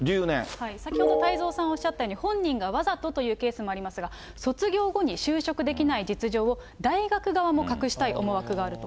先ほど太蔵さんおっしゃったように、本人がわざとというケースもありますが、卒業後に就職できない実情を、大学側も隠したい思惑があると。